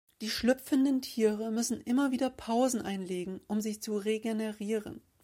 Die schlüpfenden Tiere müssen immer wieder Pausen einlegen, um sich zu regenerieren.